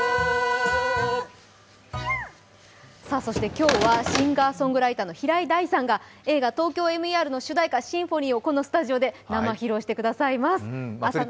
今日はシンガーソングライターの平井大さんが映画「ＴＯＫＹＯＭＥＲ」の主題歌「Ｓｙｍｐｈｏｎｙ」をこのスタジオで生披露してくださいます。